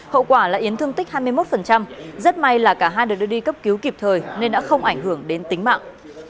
hậu quả là yến thương tích hai mươi một rất may là cả hai được đưa đi cấp cứu kịp thời nên đã không ảnh hưởng đến tính mạng